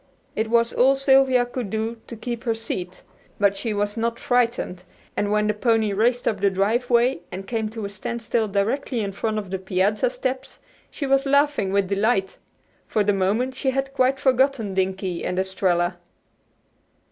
It was all Sylvia could do to keep her seat, but she was not frightened, and when the pony raced up the driveway and came to a standstill directly in front of the piazza steps she was laughing with delight. For the moment she had quite forgotten Dinkie and Estralla.